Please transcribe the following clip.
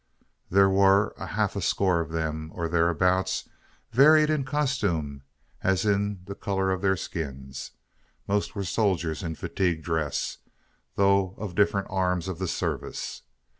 There were half a score of them, or thereabouts; varied in costume as in the colour of their skins. Most were soldiers, in fatigue dress, though of different arms of the service.